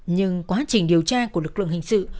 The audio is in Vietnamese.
nhưng quá trình điều tra của lực lượng hình sự